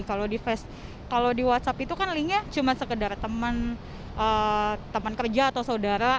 kalau di whatsapp itu kan linknya cuma sekedar teman kerja atau saudara